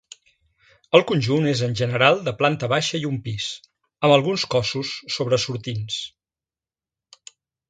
El conjunt és en general de planta baixa i un pis, amb alguns cossos sobresortints.